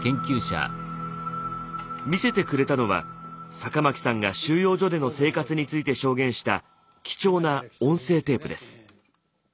見せてくれたのは酒巻さんが収容所での生活について証言した貴重な音声テープです。